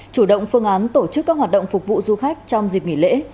chủ động phương án tổ chức các hoạt động phục vụ du khách trong dịp nghỉ lễ